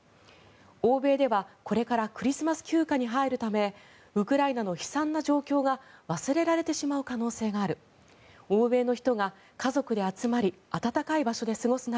欧米ではこれからクリスマス休暇に入るためウクライナの悲惨な状況が忘れられてしまう可能性がある欧米の人が家族で集まり暖かい場所で過ごす中